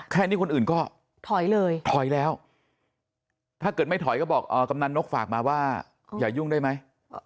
แค่นี้คนอื่นก็ถอยเลยถอยแล้วถ้าเกิดไม่ถอยก็บอกกำนันนกฝากมาว่าอย่ายุ่งได้ไหม